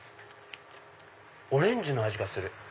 オレンジの味がする。